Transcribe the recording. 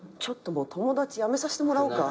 友達やめさせてもらおうか。